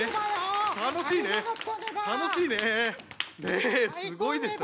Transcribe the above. ねえすごいでしょ？